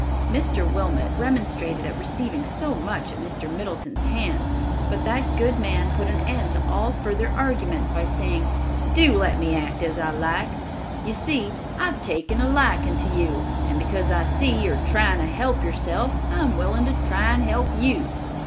Mr. Wilmot remonstrated at receiving so much at Mr. Middleton's hands, but that good man put an end to all further argument by saying, "Do let me act as I like. You see, I've taken a liking to you, and because I see you trying to help yourself, I am willing to try and help you.